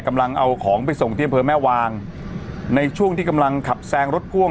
กำลังเอาของไปส่งที่อำเภอแม่วางในช่วงที่กำลังขับแซงรถพ่วง